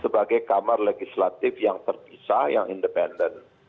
sebagai kamar legislatif yang terpisah yang independen